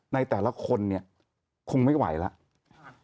ในแต่ละคนเนี่ยคงไม่ไหวแล้ว